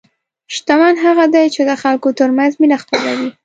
شتمن هغه دی چې د خلکو ترمنځ مینه خپروي.